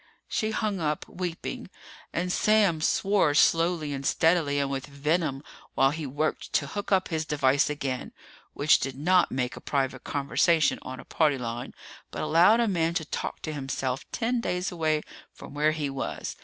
She hung up, weeping, and Sam swore slowly and steadily and with venom while he worked to hook up his device again which did not make a private conversation on a party line, but allowed a man to talk to himself ten days away from where he was.